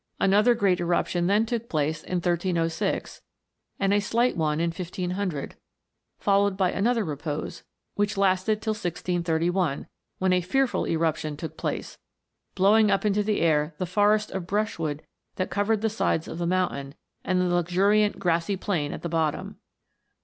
Another great eruption then took place in 1306, and a slight one in 1500, followed by another repose, which lasted till 1631, when a fearful eruption took place, blowing up into the air the forest of brushwood that covered the sides of the mountain, and the luxuriant grassy plain at the bottom.